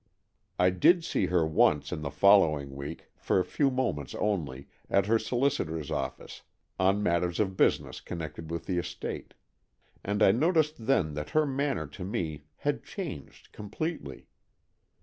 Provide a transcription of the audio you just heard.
I did see her once in the following week, for a few moments only, at her solicitor's office, on matters of business con nected with the estate. And I noticed then that her manner to me had changed com pletely.